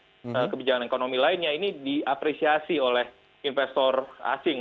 karena kebijakan ekonomi lainnya ini diapresiasi oleh investor asing